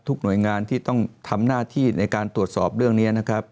หน่วยงานที่ต้องทำหน้าที่ในการตรวจสอบเรื่องนี้นะครับ